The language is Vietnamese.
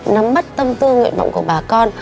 nắm mắt tâm tư nguyện mộng của bà con